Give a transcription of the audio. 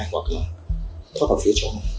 hoặc là thoát vào phía trong